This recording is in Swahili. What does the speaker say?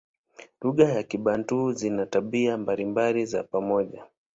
Lugha za Kibantu zina tabia mbalimbali za pamoja.